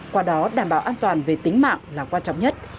qua đó đảm bảo an toàn về tính mạng là quan trọng nhất